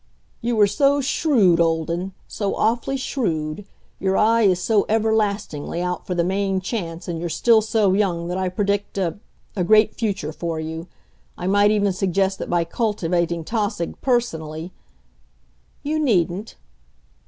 "You are so shrewd, Olden, so awfully shrewd! Your eye is so everlastingly out for the main chance, and you're still so young that I predict a a great future for you. I might even suggest that by cultivating Tausig personally " "You needn't."